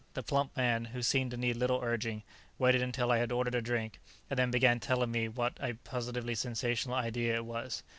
The plump man, who seemed to need little urging, waited until I had ordered a drink and then began telling me what a positively sensational idea it was.